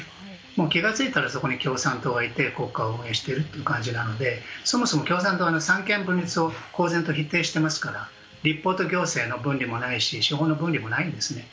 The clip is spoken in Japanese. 気がついたらそこに共産党がいて国家を運営しているという感じなのでそもそも共産党は三権分立を公然と否定していますから立法と行政の分離もないし司法の分離もないんですね。